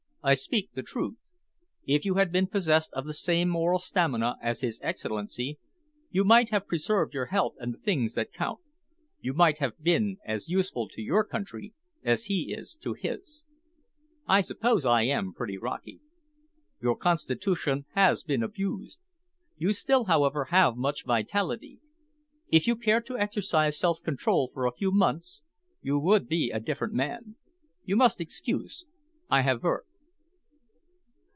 "I speak the truth. If you had been possessed of the same moral stamina as His Excellency, you might have preserved your health and the things that count. You might have been as useful to your country as he is to his." "I suppose I am pretty rocky?" "Your constitution has been abused. You still, however, have much vitality. If you cared to exercise self control for a few months, you would be a different man. You must excuse. I have work."